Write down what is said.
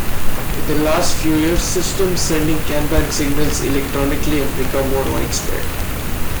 In the last few years, systems sending kanban signals electronically have become more widespread.